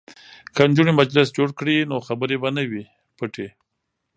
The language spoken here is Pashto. که نجونې مجلس جوړ کړي نو خبرې به نه وي پټې.